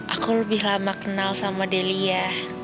aku lebih lama kenal sama delia